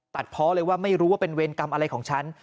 เพาะเลยว่าไม่รู้ว่าเป็นเวรกรรมอะไรของฉัน